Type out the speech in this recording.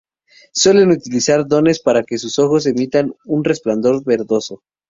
Suelen utilizar Dones para que sus ojos emitan un resplandor verdoso.